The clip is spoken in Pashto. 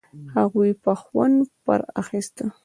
هغوی به خوند پر اخيسته.